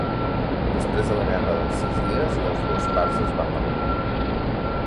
Després de la Guerra dels Sis Dies les dues parts es van reunir.